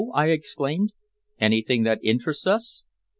I exclaimed. "Anything that interests us?"